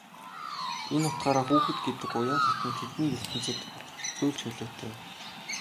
Энэ утгаараа хүүхэд гэдэг уян хатан тэдний ертөнцөд бүх зүйл чөлөөтэй.